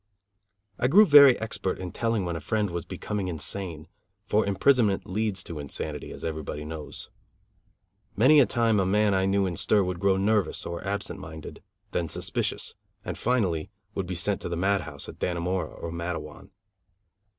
I grew very expert in telling when a friend was becoming insane; for imprisonment leads to insanity, as everybody knows. Many a time a man I knew in stir would grow nervous or absent minded, then suspicious, and finally would be sent to the madhouse at Dannemora or Matteawan.